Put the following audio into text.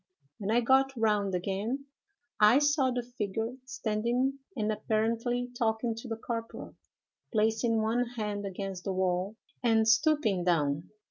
When I got round again, I saw the figure standing and apparently talking to the corporal, placing one hand against the wall and stooping down.